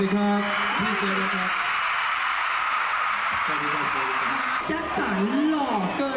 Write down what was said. แย่นะเยี่ยมมาก